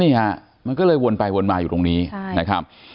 นี่ฮะมันก็เลยวนไปวนมาอยู่ตรงนี้นะครับ